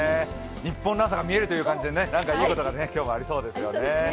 日本の朝が見えるという感じで何かいいことが今日もありそうですね。